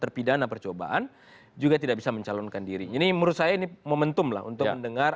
terpidana percobaan juga tidak bisa mencalonkan diri ini merusak ini momentum lah untuk mendengar